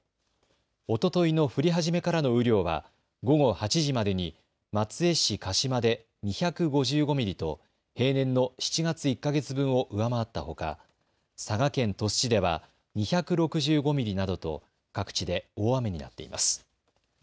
おとといの降り始めからの雨量は午後８時までに松江市鹿島で２５５ミリと平年の７月１か月分を上回ったほか佐賀県鳥栖市では２６５ミリなどと各地で大雨になっています。